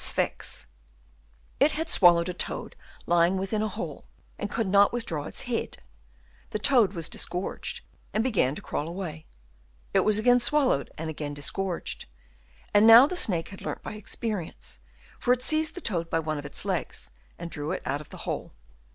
97 it had swallowed a toad lying within a hole, and could not withdraw its head ; the toad was disgorged, and began to crawl away ; it was again swallowed and again disgorged ; and now the snake had learnt by experience, for it seized the toad by one of its legs and drew it out of the hole.